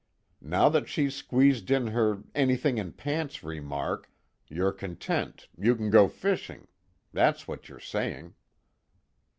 Now that she's squeezed in her 'anything in pants' remark, you're content, you can go fishing that's what you're saying."